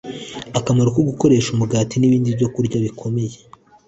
Akamaro ko Gukoresha Umugati n’Ibindi Byokurya Bikomeye